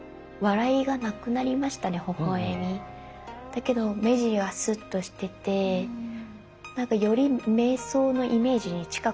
だけど目尻はすっとしててなんかより瞑想のイメージに近くなりましたね。